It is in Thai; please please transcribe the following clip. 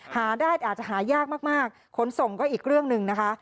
หาได้อาจจะหายากมากขนส่งก็อีกเรื่องหนึ่งนะคะ